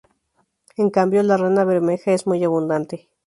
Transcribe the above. En cambio, la rana bermeja es muy abundante.